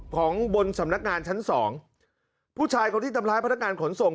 ของบนสำนักงานชั้นสองผู้ชายคนที่ทำร้ายพนักงานขนส่ง